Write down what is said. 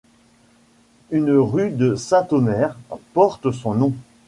Une rue de Saint-Omer porte son nom.